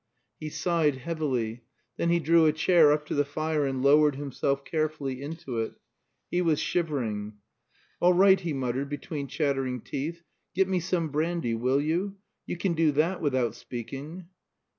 He sighed heavily. Then he drew a chair up to the fire and lowered himself carefully into it. He was shivering. "All right," he muttered between chattering teeth. "Get me some brandy, will you? You can do that without speaking."